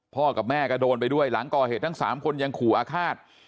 กับแม่ก็โดนไปด้วยหลังก่อเหตุทั้ง๓คนยังขู่อาฆาต